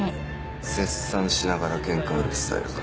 絶賛しながらケンカ売るスタイルか。